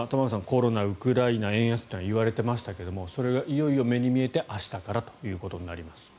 コロナ、ウクライナ円安とはいわれていましたがそれがいよいよ目に見えて明日からとなります。